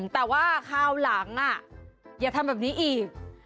แต่ว่าคราวหลังอย่าทำแบบนี้อีก